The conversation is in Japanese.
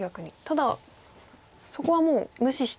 ただそこはもう無視して。